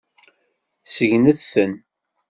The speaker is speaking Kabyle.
Segnet-ten.